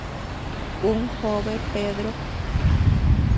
Ún jobe Pedro.